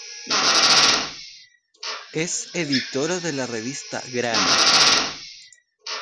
Es editora de la revista Grana.